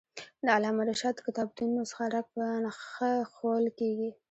د علامه رشاد کتابتون نسخه رک په نخښه ښوول کېږي.